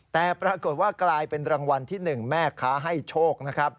แต่ปรากฏว่ากลายเป็นรางวัลที่๑แม่ค้าให้โชคนะครับ